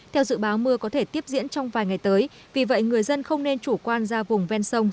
theo dự báo mưa có thể tiếp diễn trong vài ngày tới vì vậy người dân không nên chủ quan ra vùng ven sông